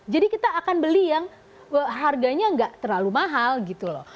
jadi kita akan beli yang harganya enggak terlalu mahal gitu loh